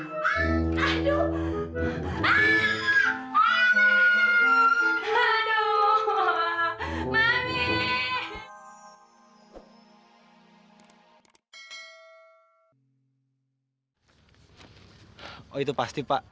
oh itu pasti pak